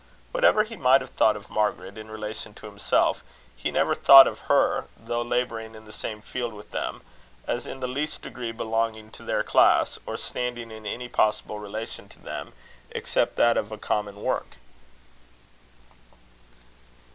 Whatever he might have thought of Margaret in relation to himself, he never thought of her, though labouring in the same field with them, as in the least degree belonging to their class, or standing in any possible relation to them, except that of a common work.